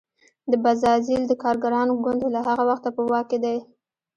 د بزازیل د کارګرانو ګوند له هغه وخته په واک کې دی.